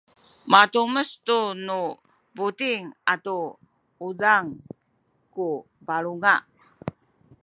matumes tu nu buting atu uzang ku balunga